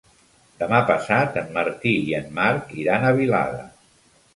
Demà passat en Martí i en Marc iran a Vilada.